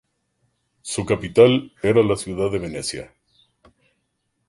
Su capital era la ciudad de Venecia.